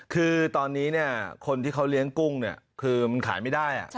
คือตอนนี้คนที่เขาเลี้ยงกุ้งคือมันขายไม่ได้